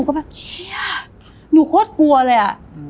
เราเป็นคนพูดอย่างนั้นจริง